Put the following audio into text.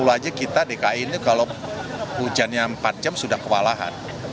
satu ratus delapan puluh aja kita dikainnya kalau hujannya empat jam sudah kewalahan